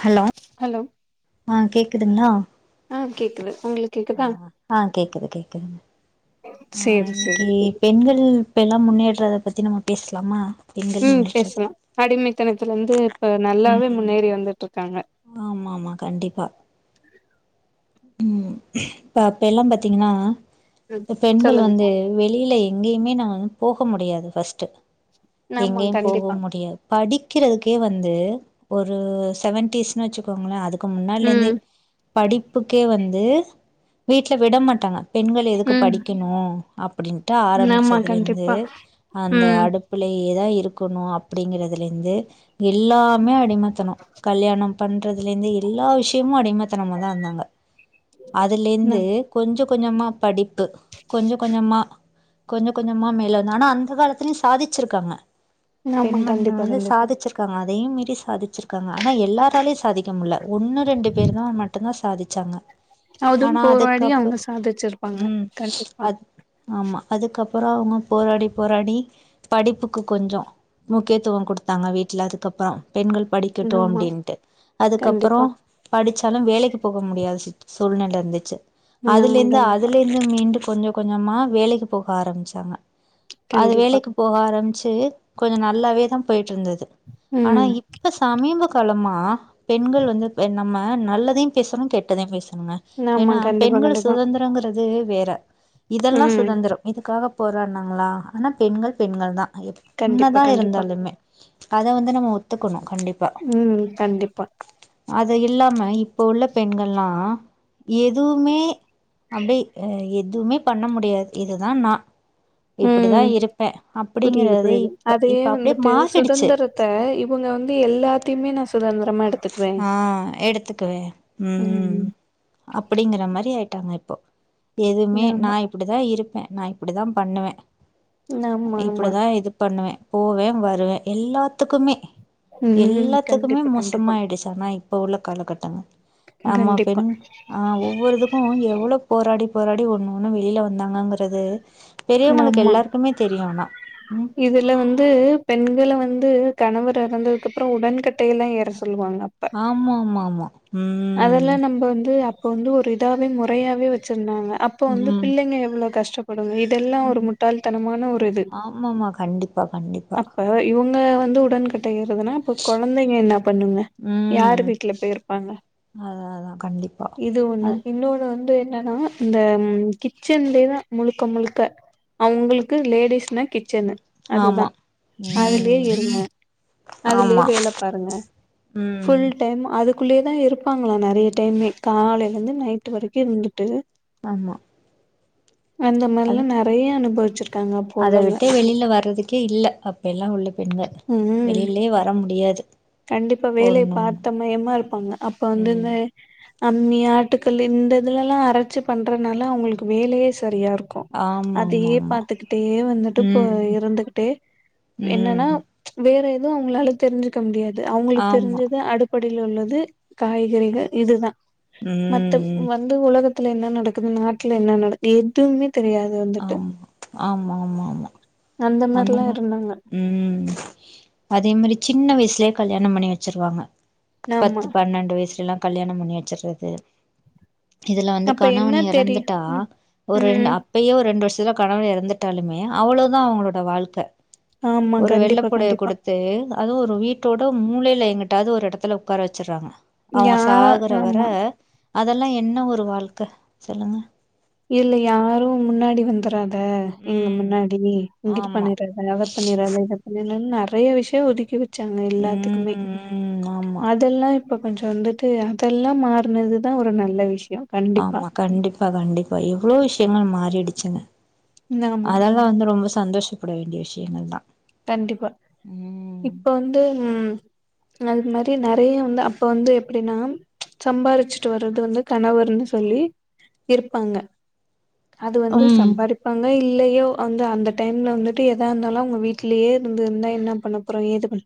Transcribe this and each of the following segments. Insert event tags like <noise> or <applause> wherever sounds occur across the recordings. Hello hello ஆ கேக்குதுங்ளா கேட்குது ஆஹ ஆ கேக்குது கேக்குதுங்க ஆ சேரி சேரி இன்னக்கி பெண்கள் இப்பெல்லா முன்னே ற்றத பத்தி நம்ம பேஸ்லாமா ம் பேஸ்லா அடிமைத்தனத்துல இருந்து இப்ப நல்லாவே முன்னேறி வந்துட்ருக்கு ஆம ஆமா கண்டிபா ம் பாத்த எல்லா பாத்தீங்கன்னா ம் ப்ப பெண்கள் சொல்லுங்க வந்து வெளியில எங்கேயுமே நாம போக முடியாது ஃபர்ஸ்ட் ஆமா எங்கயும் போகவு கண்டிப்பா முடியாது படிக்கிறதுக்கே வந்து ஒரு செவன்டீஸ்னு வெச்சுக்கோங்கலே அதுப் க்கு முன்னாலேந்தே ம் படிப் டேவந்து வீட்ல விட மாட்டாங்க பெண்கள் எதுக்கு ம் படிக்கணு அப்டின்ட்டு ஆமா ஆரம்பிச்சதுலேந்து கண்டிப்பா அந்த ம் அடுப்புலேயேதா இரு இருக்கணு அப்டிங்கறதுல இருந்து எல்லாமே அடிமத்தனோ கல்யாணம் பண்றதுலேந்து எல்லா விஷயமும் அடிமத்தனமா தா இருந்தாங்க அதுலேந்து ம் கொஞ்சப் கொஞ்சமா படிப்பு கொஞ்சோ கொஞ்சமா கொஞ்சோ கொஞ்சமா மேல வந்து ஆனா அந்த காலத்துலயு சாதிச்சிருக்காங்க ஆமா பெண்மண்ணா கண்டிப்பா வந்து கண்டிப்பா சாதிச்சிருக்காங்க அது அதையும் மீறி சாதிச்சிருக்காங் ஆனா எல்லாராலயு சாதிக்க முல்ல ஒன்னு ரெண்டு பேர் தா மட்டு தா சா ச்சங்க அதுவும் போராடி அவுங்க சாதிச்சிருப்பாங்க ம் கண்டிபா அப்பறோ அவுங்க போராடி போராடி படிப்புக்கு கொஞ்சோ முக்கியத்துவோ கொடுத்தாங்க வீட்ல அதுக்கப்பறோ பெண்கள் படிக்கட்டோ ஆமா அப்டின்ட்டு அதுக்கப்றோ கண்டிப்பா படிச்ச <unintelligible> வேலைக்கு போக முடியாது சிட் சூழ்நல இருந்துச்சு ஆமா அதலிந்து கண்டிப்பா அதுல இருந்து மீண்டு கொஞ்சோ கொஞ்சமா வேலைக்கு போக ஆரம்பிச்சாங்க அது கண்டிப்பா வேலைக்கு போக ஆரம்பிச் சு கொஞ்சொ நல்லாவே தா போய்ட் ட்ருந்துது ஆனா ம் இப்ப சமீப காலமா பெண்கள் வந்து ப நம்ம நல்லதையு பேசணு கெட்டதையு பேச ங்க ஆமா ஏன்னா கண்டிப்பா பெண்கள் கண்டிப்பா சுதந்திரொங்குறது வேற இதெல்லா ம் சுதந்திரோ இதுக்காக போராட்னாங்ளா ஆனா பெண்கள் பெண்கள் தா எப் கண்டிப்பா என்னதா கண்டிப்பா இருந்தாலுமே அத வந்து நம்ம ஒத்துக்கணு கண்டிப்பா ம் கண்டிப்பா அத இல்லாம இப் ப்ப உள்ள பெண்கள்லா எதுவுமே அப்டி எதுமே பண்ண முடியாத் இதுதா நா இப்டிதா ம் இருப்பே புரியுது அப்டிங்கறதே புரியுது இப்ப அதே இப்ப அப்டியே வந்துட்டு மாறிடுச்சு சுதந்துரத்த இவங்க வந்து எல்லாத்திமே நா சுதந்திரமா எடுத்துக்வே ஆ எடுத்துக்குவே ம் அப்படிங்கிற மாரி ஆய்ட்டா ன்னா இப்போ எதுமே நா ஆமா இப்புடி தா இருப் பே நா இப்புடிதா பண்ணுவே ஆமா ஆமா இப்புடிதா இது பண்ணுவே போவே வருவ எல்லாத்துக்குமே ம் எல்லாத்துக்குமே கண்டிப்பா கண்டிப்பா மோசமாயிடுச்சானா ப்ப உள்ள காலகட்டங்க நம்ம கண்டிப்பா பெண் ஆ ஒவ்வொரிதுக்கு எவ்ளோ போராடி போராடி ஒண்ணு ஒண்ணு வெளில வந்தாங்கங்கறது பெரியவங்களுக்கு ஆமா எல்லாருக்குமே தெரியு ஆனா ம் இதுல வந்து பெண்கள வந்து கணவர் எறந்ததுக்கப்றொ உடன் கட்டையல்லா எற சொல்லுவாங்கப்ப ஆமா ஆமா ஆமா ம் அதெல்லா நம்ப வந்து அப் கொண்டு ஒரிதாவே முறையாவே வெச்சி ன்னாங்க அப்பொ வந்து ம் பிள்ளைங்க எவ்ளோ கஷ் படுங்க இதெல்லா ஒரு முட்டாள்தனமான ஒருது ஆமாமா கண்டிப்பா கண்டிப்பா அ வந்து உடன் கட் ட ஏர்றதுனா இப்ப கொழந்தைங்க என்னா பண்ணுங்க ம் யாரு வீட்ல போயிருப்பாங்க அதா அதா கண்டிப்பா இது அ ஒண்ணு இன்னோன்னு வந்தே ன்னா இந்த ம் கிச்சன்லேதா முழுக்க முழுக்க அவுங்களுக்கு லேடிஸ்னு கிச் சனு அதுதா ஆமா அதுலே ம் இருங்க அதுலே ஆமா வேல பாருங்க ம் ஃபுல் டைம் அதுக் குள்ளயே தா இருப்பாங்களா நெறைய டைமே காலைல இருந்து நைட் வரைக்கி இருந்துட்டு ஆமா அந்த மார்லா அது நெறைய அனுபவ க்காங்க அத போலுங்க விட்டு வெளில வர்றதுக்கே இல்ல அப்பெல்லா உள்ள பெண்க ம் வெளிலே வர முடியாது கண்டிப்பா வேலைய ஒண்ணு ஒண்ணு பாத்த மயமா இருப்பாங்க அப்ப ம் வந்துந்து இந்த அம்மி ஆட்டுக்கல்லு இந்த இதுலல்லா அரச்சு பண்றனால அவுங்களுக்கு வேலையே சரியாருக்கு ஆமா ஆமா அதையே ஆமா பாத்துக்கிட்டே வந்துட்டு பொ ம் இருந்துகுட்டே என்னன்னா ம் வேற எ து அவுங்ளால தெருஞ்சு கமுடியாத் து அவுங்களுக் ஆமா தெருஞ்சது அடுப்ப டில உள்ளது காய்கறிக இதுதா ம் மத்த ம் வந்து ஒலக த்துல என்ன நடக்குது நாட்ல என்ன நடக் எதுவுமே தெரியாது வந்துட்டு ஆமா ஆமாமாமா அந்த மாரிலா மா இருந்தாங்க உம் அதே மாரி சின்ன வயசு லே கல்யாணம் பண்ணி வச்சுருவாங்க ஆமா பத்து பன்னென்டு வயசுல எல்லாம் கல்யாணம் பண்ணி வச்சர்றது இதுல வந்து அப்ப என்ன கணவன் தெரியு எறந்துட்டா ம் ஒரு ரெண்ட் ம் அப்பயே ஒரு ரெண்டு வர்ஷ் துல கணவன் எறந்துட்டாலுமே அவ்ளோதா அவுங்களோ ட வாழ்க்க ஆமா ஒரு வெள்ள கண்டிப்பா பொடய கண்டிப்பா குடுத்து அதுவு ஒரு வீட்டோட மூளை ல எங்கிட்டாது ஒரு எடத்துல உக்கார வச்சுர்றாங்க அவுங்க யா சாகுறவர ஆமா அதெல்லா என்ன ஒ ரு வாழ்க்க சொல்லுங்க இதுல யாரும் முன்னாடி வந்துரா க இங்க ம் முன்னாடி நீ இங்கிட்டு ஆமா பண்ணிராத அத பண்ணிராத இத பண்ணிராத நெற நெறைய விஷ்யோ ஒதுக்கிது ச்சாங்க எல்லாத்துக்குமே ம் ம் ஆமா அதெல்லா இப்ப கொஞ்சோ ந்துட்டு அதெல்லா மாற்னதுதா ஒரு நல்ல விஷ் ஆமா கண்டிப்பா கண்டிப்பா ஐயோ வ்ளோ விஷ்யங்கள் மாறிடிச்சுங்க ஆமா அதெல்லா வந்து ரொம்ப சந்தோஷப்பட வேண்டியஷ் என்னல்லா தண்டிப்பா இப்ப வந்து ம் அது மாரி நறையா வந்தா அப்ப வந்து எப்டினாம் சம்பாரிச்சுட்டு வர்றது வந்து கணவர்னு சொல்லி இர்ப்பாங்க அது வந்து ம் சம்பாரிப்பாங்க இல் இல்லையோ அந்து அந்த டைம்ல வந்துட்டு எதா இந்தாலு உங்க வீட் க்லே ருந்துன்னா என்னா பண்ணப்போறோ ஏது பண்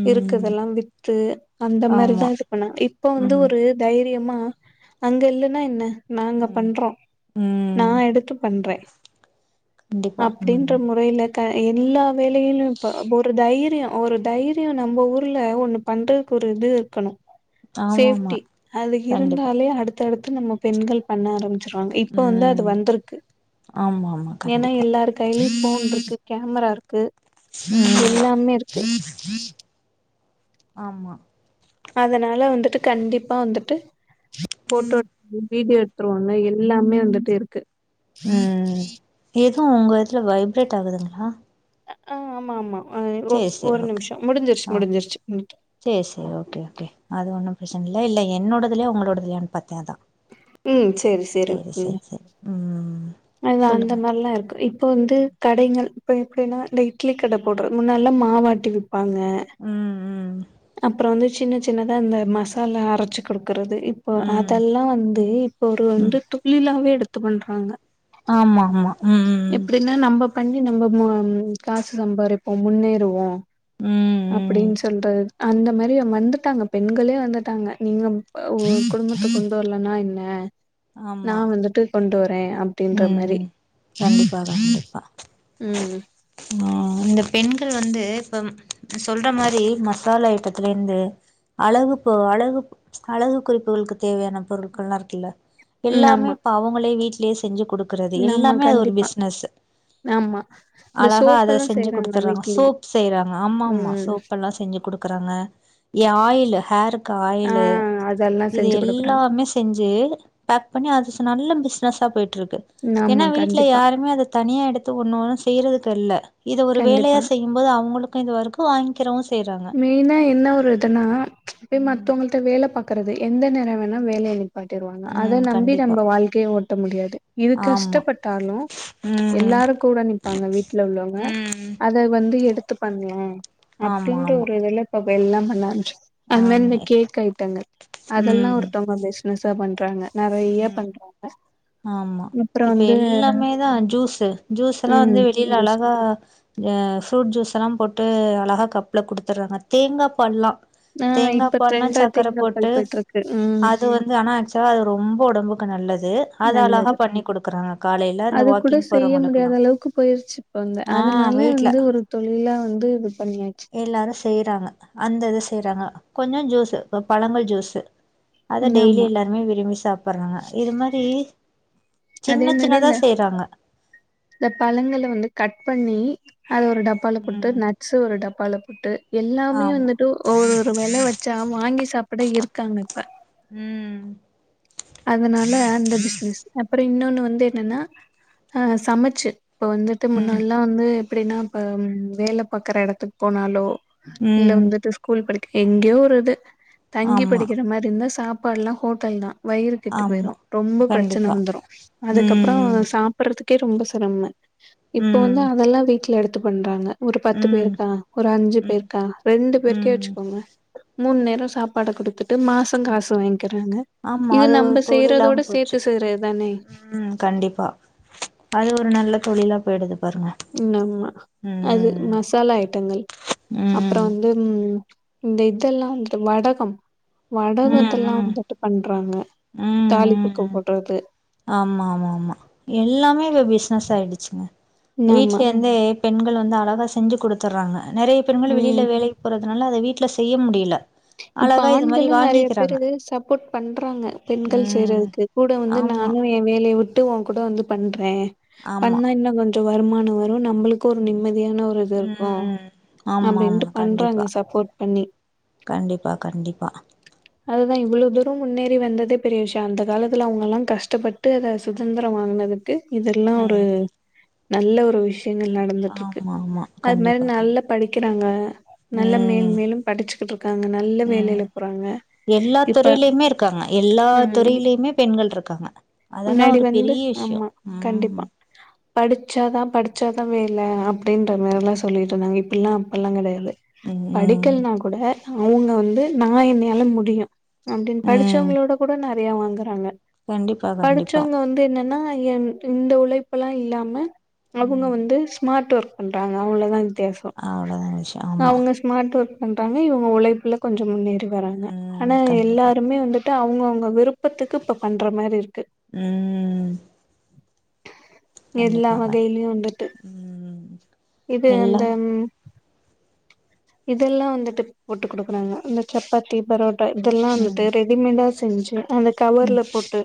ம் இருக்குதெல்லா வித்து அந்த மாரிதா ஆமா இது பண்ணா இப்ப வந்து ம் ஒரு தைரியமா ஆ அங்க இல்லன்னா என்ன நாங்க ம் பண்றோ நா ம் எடுத்து பண்றே கண்டிப்பா அப்டின்ற ம் முறைய்ல க எனில்லா வேலையிலு இப்ப ஒரு தைரியு ஒரு தைரியு நம்ப ஊர்ல ஒண்ணு பண்றக்கு ஒரு இது இர்க்கணு ஆமாமா சேஃப்டி அலு கண்டிப்பா இருந்தாலே அடு தடுத்து நம்ம பெண்கள் பண்ணாரம் ச்சிறுவாங் இப்ப வந்து அது ம் வந்துருக்கு ஆமா ஆமா ஏனா கண்டிப்பா எல்லார் கைலி ஃபோன் ருக்கு கேமராரு க்கு ம் எல்லாமே இருக்கு ஆமா அதனால வந்துட்டு கண்டிப்பா வந்துட்டு ஃபோட்டோட் வீடியோ எட்த்ருவாங்க எல்லாமே வந்துட்டு இருக்கு ஓ உங்க இதுல வைப்ரேட் ஆகுதுங்ளா அஆ ஆமா ஆமா ஆ ஓக் ச்சேர் சே ஒரு ஓகே நிமிஷோ முடிஞ்சிருச்சு ஆ முடிஞ்சிருச்சு ச்சேர் செ ஓகே ஓகே அது ஒண்ணு ப்ரஷ் தன்லா இல்லே என்னோடதுலயு உங்களோடதலயான் பாத்தே அதா சேரி சேரி சேரி ம் அதா அந்த சொல்லுங்க மார்ல்லா இருக்கு இப்பு வந்து கடைங்க அல் இப்ப எப்டினா ட இட்லி கட போட்று முன்னல்லா மாவ் ஆட்டி விப் ப்பாங்க ம் ம் அப்றோ வந்து சின்ன சின்னதா இந்த மசாலா அரச்சு குடுக் குறது இப்பு ம் அதல்லா வந்து இப்பொரு வந்து துள்ளில்லாவே எடு த்து பண்றாங்க ஆமா ஆமா ம் எப்டின்னா நம்ம பண்ணி நம்ப ம காசு சம்பாரிப்போ முன்னேறுவோ ம் ம் அப்பிடின் சொல்ற அந்த மாரி வந்துட்டாங்க பெண்களே வந்துட்டாங்க நீங்க உ குடும்பத்த கொண்டு வர்லனா என்ன நா ஆமா வந்துட்டு கொண்டு வ ருவே அப்டின்ற மாரி ம் கண்டிப்பா கண்டிப்பா ம் ஆ இந்த பெண்கள் வந்து இப்ப சொல்ற மாரி மசாலா ஐட்டத்துலிந்து அழகு பொ அழகு அழகு குறிப்புகளுக்கு தேவையான பொருட்கள்லா இருக்குல்ல ம் எல்லாமே ஆமா, இப்ப அவுங்களே வீட் செஞ்சு குடுக்கறது ஆமா எல்லாமே அது ஒரு கண்டிப்பா. பிசின்ஸு ஆமா. இந்த அழகா அத சோப்பெல்லாம் செஞ்சு செய்றாங்க குடுத்தர்றாங்க வீட்லயே. சோப் செய்றாங்க ஆமாமா ம். சோப் எல்லா செஞ்சு குடுக்குறாங்க எ ஆயிலு ஆருக் ஆ காயிலு அதெல்லாம் இது செஞ்சு குடுக்குறாங்க. எல்லாமே செஞ்சு பேக் பண்ணி அ நல்ல பிஸ் னசா போயிட்ருக் கு ஏனா ஆமா வீட்ல கண்டிப்பா, யாருமே அத தனியா எடுத்து ஒண்ணொன்னு செய்யறதுக்கில்ல இத ஒரு வேலையா கண்டிப்பா. செய்யும்போது அவங்களுக்கு இதுவர்க்கு வாங்கிக்கிறோ மெயினா என்ன ஒரு இதுன்னா போய் ம் மத்தவங்கள்ட வேல பா க்கறது எந்த நேர வேனா வேல நிப் பாட்டிருவாங்க அத ம் நம்பி கண்டிப்பா நம்ம வாழ்க்கைய ஓட்ட முடியாது இது ஆமா கஷ்டப்பட்டாலு ம் எல்லாரு கூட நிப்பாங்க வீட்ல உள்ளவங்க ம் அத வந்து எடு த்து பண்ணோ அப் ஆமா அப்டின்ற ஆமா ஒரு வெல இப்ப எல்லா பண்ண ஆரம்ப்ச் அது மாரி இந்த ஆமா கேக் ஐட்டங்கள் அதெல்லா ம் ஒருத்தவங்க மெஸ் சா பண்றாங்க நெறைய ம் பண்றாங்க ஆமா அப்றோ இப்ப வந்து எல்லாமேதா ஜூஸூ ஜூஸுல்லா வந்து ம் வெளியில ஜஸ் அழகா ஆ ஃப்ரூட் ஜூஸெல்லா போட் டு அழகா கப்ல கொடுத்துறாங்க தேங்கா பால்லா ஆ தேங்கா இப்ப பால்னா ட்ரெண்டா சக்கர தேங்காப்பால் போட்டு போயிட்ருக்கு ம் அது வந்து ஆனா ஆக்சுவலா அது ரொம்ப உடம்புக்கு நல்லது து அத அழகா நல்லது பண்ணி குடுக்குறாங்க காலேல அந்த அது கூட வாக்கிங் செய்ய போறவங்களுக்குலா முடியாத அளவுக்கு போயிருச்சு இப்ப வந்து ஆ அதனால வீட்ல வந்து ஒரு தொழிலா வந்து இது பண்ணியாச்சு எல்லாரு செய்றாங்க அந்த இது செய்றாங்க கொஞ்சோ ஜூஸு இப்ப பழங்கள் ஜூஸு அத டெய்லி ஆமா எல்லாருமே விரும்பி சாப்பட்றாங்க இது மாரி சின்ன அதே மாரி சின்னதா செய்றாங்க இந்த பழங்கள வந்து கட் பண்ணி அத ஒரு டப்பால போட்டு ம் நட்ஸு ஒரு டப்பால உட்டு எல்லாமே ஆமா வந்துட்டு ஒவ்வொரு வெல வச்சா வாங்கி சாப்பிட இருக்காங்க இப்ப ம் அதனால அந்த பிசினஸ் அப்புறம் இன்னொன்னு வந்து என்னன்னா அ சமைச்சு இப்ப வந்துட்டு ம் முன்னல்லாம் வந்து எப்படின்னா இப்ப வேலை பாக்குற எடத்துக்கு போனாலோ இல்ல ம் வந்துட்டு ஸ்கூல் படி எங்கயோ ஒரு இது தங்கி ஆமா படிக்கிற மாதிரி இருந்தா சாப் பாட்ல்லா ஹோட்டல் தா வயிறு கெட்டு ஆமா போயிரும் ரொம்ப பிரச்சனை கண்டிப்பா வந்துரும் அதுக்கப்புறம் ம் சாப்பிடறது க்கே ரொம்ப சிரம இப்போ ம் வந்து அதெல்லா வீட்டுல எடுத் த்து பண்றாங்க ஒரு பத்து ம் பேருக்கா ஒரு அஞ்சு ம் பேருக்கா ரெண்டு பேருக்கே ம் வச்சுக்கோங்க மூண் நேர சாப்பாட குடுத்து ட்டு மாசோ காசு வாங்கிக்கிறாங்க ஆமா இது அது ஒரு நம்ப தொழிலாவு செய்றதோட போச்சு சேத்து செய்றது தானே! ம் கண்டிப்பா அது ஒரு நல்ல தொழிலா போயிடுது பாருங்க ம் ஆமா அது ம் மசாலா ஐட்டங்கள் ம் அப்றோ ம் வந்து ம் இந்த இதெல்லா வந்துட்டு வடகம் ம் வடகத்தெல்லா ம் தொட்டு பண்றாங்க தாளிப்புக்கு போடுறது ஆமாமா ஆமா எல்லாமே இப்ப பிசினஸ் ஆயிடுச்சுங்க வீட்ல ஆமா. இருந்தே பெண்கள் வந்து அழகா செஞ்சு குடுத்துர்றாங்க நெறைய பெண்கள் ம். வெளியில வேலைக்கு போறதுனால அத வீட் ல செய்ய முடில இப்ப ஆண்களு நெறயா பேரு சப்போர்ட் பண்றாங்க. பெண்கள் ம் செய்யறதுக்கு கூட வந்து ஆமா நானு எ வேலய விட்டு உங் கூட வந்து பண்ற ஆமா பண்ணா இன்னு கொஞ் ட்டு வருமான வ நம்மளுக்கு ஒரு நிம்மதியான ஒரு இது இருக்கு ம் ஆமா ஆமா அப்பிடின்ட்டு பண்றாங்க கண்டிப்பா சப்போர்ட் பண்ணி பா கண்டிப்பா அதுதா இவ்ளோ தூரோ முன்னேறி வந்ததே பெரிய விஷியோ அந்த காலத்தில அவங்கள்லா கஷ்டப்பட்டு அத சுதந்திரம் வாங்கினது க்கு இதெல்லா ஒரு ம் நல்ல ஒரு விஷ் யங்கள் நடந்துட்டு இருக்கு ஆமா ஆமா அது மாரி கண்டிப்பா கண் நல்லா படிக்கிறாங்க நல்லா மேல் ம் மேலும் படிச்சுக்கிட்டு இருக்காங்க நல்ல வேலையில போறாங்க எல்லாத் இப்ப துறையிலயுமே இருக்காங்க எல்லாத் ம் துறையிலயுமே பெண்கள் இருக்காங்க. அதெல்லா முன்னாடி ஒரு வந்து பெரிய விஷ்யோ ஆமா கண்டிப்பா உம் படிச்சாதா படிச்சாதா வேல அப் டின்ற ம் மாறில்லா சொல்லிட்டுருந்தாங்க இப் பெல்லா அப்பெல்லாங் கெடயாது ம் படிக்கல்னாக் கூட அவுங்க வந்து நா என்னால மு டியு அப்டின்னு ம் ம் படிச்சவங்களோட கூட நெ றயா வாங்குறாங்க கண்டிப்பா கண்டிப்பா படிச்சவங்க வந்து என்னன்னா என் இந்த உழைப்பெல்லா இல்லாம அவுங்க ம் வந்து ஸ்மார்ட் ஒர்க் பண்றாங்க அவங்களதா இ வித்யாசோ அவ்ளோதா விஷயோ ஆமா அவங்க ஸ்மார்ட் ஒர்க் பண்றாங்க இவங்க உழைப்புல கொஞ்சோ முன்னேறி ட்டு வராங்க ம் ஆனா கண்டிப்பா எல்லாருமே வந்து அவுங்க அவுங்க விருப்பத்துக்கு இப்ப பண்ற மாரி இருக்கு உம்ம் எல்லா வகைலியு வந்துட்டு ம் இது எல்லா அந்த இதெல்லா வந்துட்டுப் போட்டுக் குடுக்குறாங்க இந்த சப்பாத்தி பரோட் டா இதெல்லா ம் வந்துட்டு ரெடிமேடா செஞ்சு அந்த ம் கவர்ல போட்டு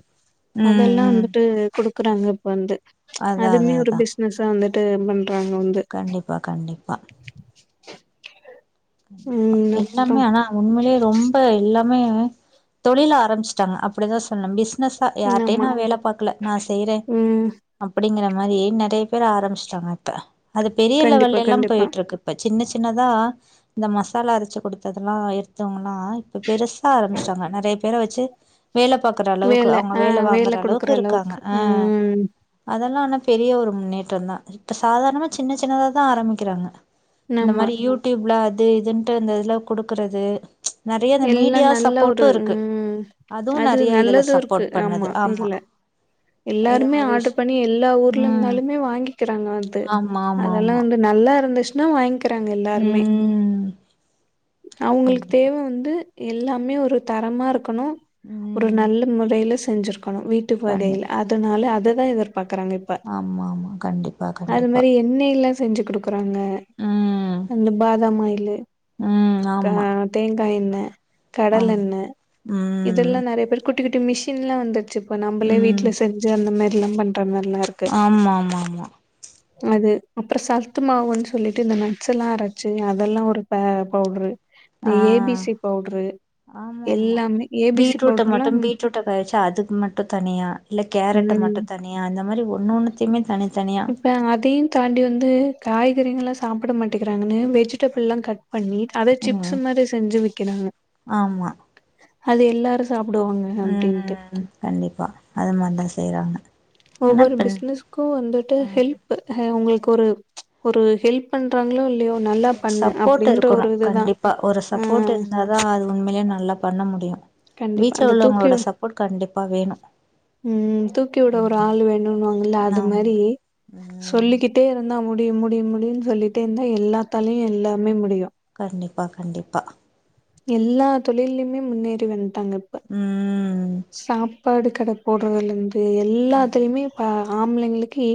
ம் அதெல்லா ம் வந்துட்டு குடுக் குறாங்க இப்ப வந்து அதா அதுவுமே அதா ஒரு அதா பிசினஸா வந்துட் <unintelligible> கண்டிப்பா கண்டிப்பா <inaudible> ம் அப்றோ எல்லாமே ஆனா ஆ உண்மைலே ரொம்ப எல்லா மே தொழில ஆரமிச்சிட்டாங்க அப்டிதா சொல்னும்பிஸ் னசா யார்ட்டையு ஆமா நா வேல பாக்கல நா செய்றே ம் அப்டிங்கற அந்த மாரி நெறைய பேர் ஆரமிச்டாங்க இப்ப அது பெரிய கண்டிப்பா லெவல்லைல்லா கண்டிப்பா போயிட்ருக்கு இப்ப சின்ன சின் னதா இந்த மசாலா அரச்சு குடுத்ததுலா எடுத்தவங்கள இப்ப பெருசா ஆரம்மிச்டாங்க நறைய பேர வச்சு வேல பாக்குற அளவுக்கு அவங்க வேல வாங்குற அளவுக்கு இருக்காங்க ஆ அதல்லா ஆன பெரிய ஒரு முன்னேற்றந்தா இப்ப சாதாரணமா சின்ன சின்னதா தா ஆரமிக்கிறாங்க இந்த ஆமா மாரி யூடியூப்ல இது இதுன்ட்டு இந்ததுல குடுக்குறது நெறைய இந்த எல்லா மீடியா நல்ல ஒரு சப்போர்ட்டும் இருக்கு ம் அதுவு அது நெறைய இதுல நல்லது இருக்கு சப்போர்ட் பண்ணுது ஆமா இதுல இது எல்லாருமே மாரி விஷ் ஆர்டர் பண்ணி எல்லா ஊர்ல ம் இருந்தாலுமே வாங்கிக்கிறாங்க அது ஆமா ஆமா அதெல்லா ஆமா வந்து நல்லா நல்லா இருந்துச்சுனா வாங்க்க இருக்கிறாங்க எல்லாருமே ம் அவுங்களுக்கு கண்டிப்பா தேவ வந்து எல்லாமே ஒரு தரமா இருக் கணும் ஒரு ம் நல்ல முறையில செஞ்சிருக் க்கணும் வீட்டு கண்டி போகையில அதனால அததா எதற் பாக்குறாங்க இப்ப ஆமா ஆமா கண்டிப்பா அது கண்டிப்பா மாரி என்ண்ணெயல்ல செஞ்சு கொடுக்கு பாங்க ம் அந்த பாதாம் ஆயிலு ம் க ஆமா தேங் கைன கடல் ஆமா என்ன ம் இதெல்லாம் நிறைய பேர் குட் இதுக்கு மிஷின்லா வந்துருச்சு இப்ப நம்பளே வீட் ம் அந்த மாதிரி ல்லாம் பன் ஆமா ஆமா ஆமா அது அப்புற சத்து மாவுன்னு சொல்லிட்டு இந்த நட்ஸ்லா அரைச்சு அதெல்லாம் ஒரு ப பவுடரு ஆஹ் ஆமா ஆமா எல்லாமே ஏ பி சி பீட்ரூட்ட பவுட்ருலா மட்டு பீட்ரூட்ட விதச்சா அதுக்கு மட்டு தனியா இல்லே கேரட்ட ம் மட்டு தனியா அந்தமாரி ஒன்னொன்னித்திமே தனித்த இப்ப அதையு தாண்டி வந்து காய்கறிகளா சாப்பிட மாட்டிக்கிறாங்கனு வெஜிடபிள்லா கட் பண்ணி அத சிப்ஸ் ம் மாதிரி செஞ்சு விக்கிறாங்க அது எல்லாரு சாப்பிடுவாங்க அப்டின்ட்டு உம் கண்டிப்பா அது மாதிரிதா செய்றாங்க ஆனா ஒவ்வொரு பெண் பிசினஸ்க்கு வந்துட்டு ம் ஹெல்ப் உங்களுக்கு ஒரு ஒரு ஹெல்ப் பண்றாங்களோ இல்லையோ நல்லா ஒரு பண்ணு சப்போர்ட் அப்டின்ற இருக்கணு ஒரு இதுதா கண்டிப்பா ஒரு ஆ சப்போர்ட் இருந்தாதா அது உண்மையா நல்லா பண்ண முடியு வீச்ச உள்ளவங்களோட சப்போர்ட் கண் உம் தூக்கியுட ஒரு ம் ஆள் வேணுன்வாங்கல்ல அது ஆமா மாரி ம் சொல்லிக்கிட்டே இருந்தா முடியு முடியு முடியும்னு சொல்லிட்டே இருந்தா எல்லாத்தாலயு எல்லாமே முடியு கண்டிப்பா கண்டிப்பா எல்லா தொழில்லயுமே முன்னேறி வந் தாங்கப்ப ம் சாப்பாடு கடை போடறதுல்லந்து ம் எல்லாத்துலயுமே பா ஆம்ப்ளைங்களுக்கு ஈ